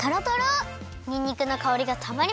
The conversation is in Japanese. にんにくのかおりがたまりません！